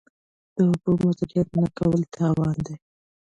د اوبو مدیریت نه کول تاوان دی.